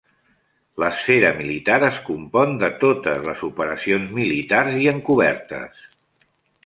L'esfera militar es compon de totes les operacions militars i encobertes.